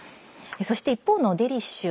そして、一方の「デリシュ！」